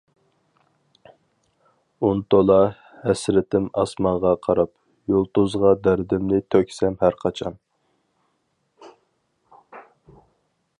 ئۇنتۇلار ھەسرىتىم ئاسمانغا قاراپ، يۇلتۇزغا دەردىمنى تۆكسەم ھەر قاچان.